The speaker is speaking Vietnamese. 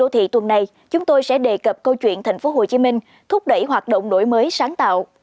thì tuần này chúng tôi sẽ đề cập câu chuyện thành phố hồ chí minh thúc đẩy hoạt động nổi mới sáng tạo